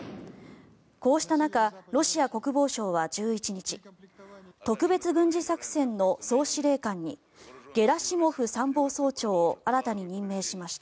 こうした中、ロシア国防省は１１日特別軍事作戦の総司令官にゲラシモフ参謀総長を新たに任命しました。